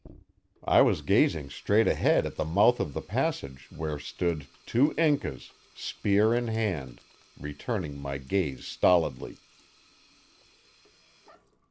I was gazing straight ahead at the mouth of the passage where stood two Incas, spear in hand, returning my gaze stolidly.